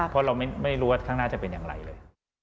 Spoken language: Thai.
เพราะเราไม่รู้ว่าข้างหน้าจะเป็นอย่างไรเลย